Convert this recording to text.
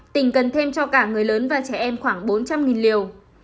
tỉnh cần thêm cho cả người lớn và trẻ em khoảng bốn trăm linh liều